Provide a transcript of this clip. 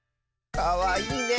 かわいいねえ。